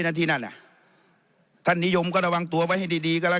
นั่นที่นั่นอ่ะท่านนิยมก็ระวังตัวไว้ให้ดีดีก็แล้ว